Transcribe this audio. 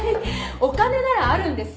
お金ならあるんですよ。